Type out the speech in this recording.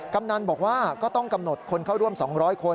กำนันบอกว่าก็ต้องกำหนดคนเข้าร่วม๒๐๐คน